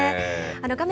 画面